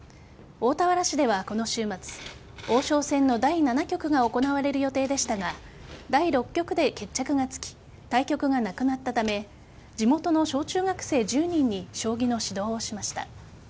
大田原市では、この週末王将戦の第７局が行われる予定でしたが第６局で決着がつき対局がなくなったため地元の小中学生１０人に将棋の指導をしました。